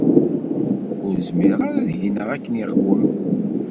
Ur zmireɣ ara ad gneɣ akken iqwem.